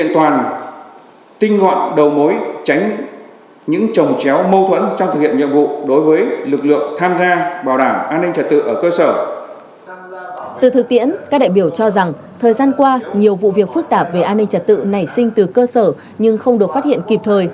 từ thực tiễn các đại biểu cho rằng thời gian qua nhiều vụ việc phức tạp về an ninh trật tự nảy sinh từ cơ sở nhưng không được phát hiện kịp thời